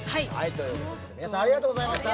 ということで皆さんありがとうございました。